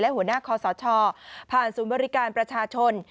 หัวหน้าคอสชผ่านศูนย์บริการประชาชน